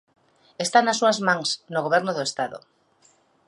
Está nas súas mans, no Goberno do Estado.